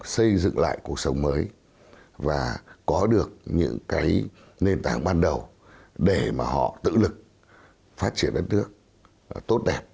xây dựng lại cuộc sống mới và có được những cái nền tảng ban đầu để mà họ tự lực phát triển đất nước tốt đẹp